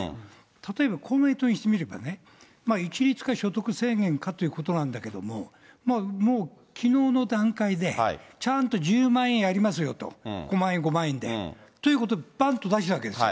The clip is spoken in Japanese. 例えば公明党にしてみれば、一律か所得制限かということなんだけれども、もう、きのうの段階で、ちゃんと１０万円やりますよと、５万、５万円で、ということをばんと出したわけですよ。